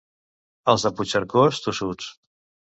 Els de Puigcercós, tossuts.